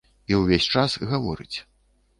І ўвесь час гаворыць.